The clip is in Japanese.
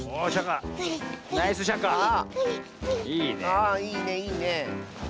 ああいいねいいね。